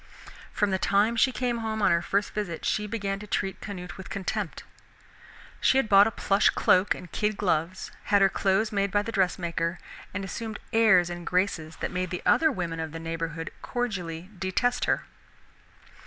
From the time she came home on her first visit she began to treat Canute with contempt. She had bought a plush cloak and kid gloves, had her clothes made by the dress maker, and assumed airs and graces that made the other women of the neighborhood cordially detest her.